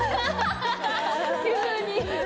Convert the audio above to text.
急に。